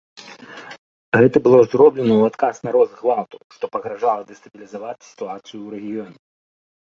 Гэта было зроблена ў адказ на рост гвалту, што пагражала дэстабілізаваць сітуацыю ў рэгіёне.